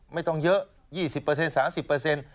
ไม่ต้องเยอะ๒๐เปอร์เซ็นต์๓๐เปอร์เซ็นต์